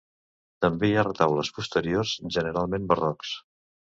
També hi ha retaules posteriors, generalment barrocs.